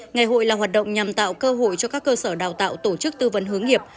ngày hội là hoạt động nhằm tạo cơ hội cho các cơ sở đào tạo tổ chức tư vấn hướng nghiệp